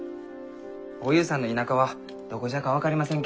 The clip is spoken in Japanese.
おゆうさんの田舎はどこじゃか分かりません